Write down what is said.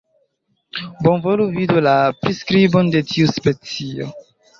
Bonvolu vidu la priskribon de tiu specio.